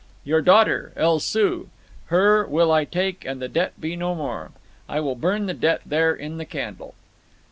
"Your daughter, El Soo—her will I take and the debt be no more. I will burn the debt there in the candle."